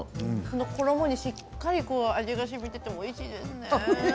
衣にしっかり味がしみていておいしいですね。